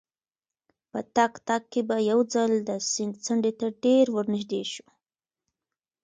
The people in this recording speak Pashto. په تګ تګ کې به یو ځل د سیند څنډې ته ډېر ورنژدې شوو.